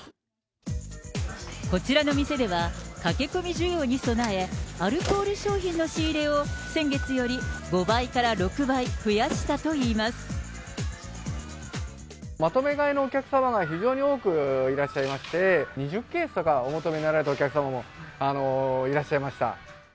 こちらの店では、駆け込み需要に備え、アルコール商品の仕入れを先月より５倍から６倍増やしまとめ買いのお客様が非常に多くいらっしゃいまして、２０ケースとかお求めになられたお客様もいらっしゃいました。